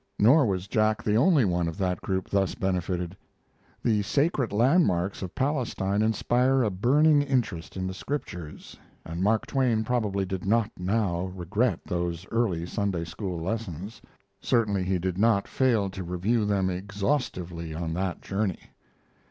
Nor was Jack the only one of that group thus benefited. The sacred landmarks of Palestine inspire a burning interest in the Scriptures, and Mark Twain probably did not now regret those early Sunday school lessons; certainly he did not fail to review them exhaustively on that journey.